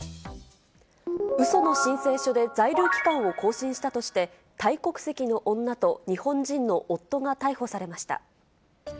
うその申請書で在留期間を更新したとして、タイ国籍の女と日本人の夫が逮捕されました。